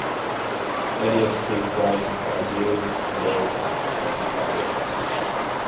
Many are still flying in Colombia in air taxi and private operations.